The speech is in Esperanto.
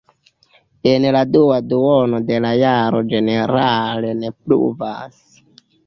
En la dua duono de la jaro ĝenerale ne pluvas.